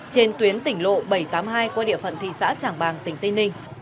trên tuyến tỉnh lộ bảy trăm tám mươi hai qua địa phận thị xã trảng bàng tỉnh tây ninh